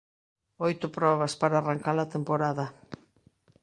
Oito probas para arrancar a temporada.